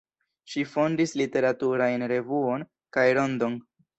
Ŝi fondis literaturajn revuon kaj rondon.